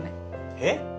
えっ？